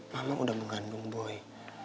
mama udah mengandung boy